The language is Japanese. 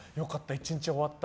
１日終わった。